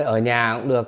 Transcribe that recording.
ở nhà cũng được